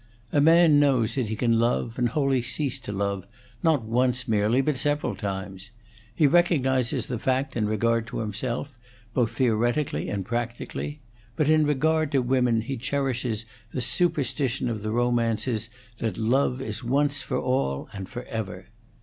A man knows that he can love and wholly cease to love, not once merely, but several times; he recognizes the fact in regard to himself, both theoretically and practically; but in regard to women he cherishes the superstition of the romances that love is once for all, and forever.